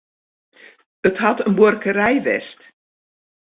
It hat in buorkerij west.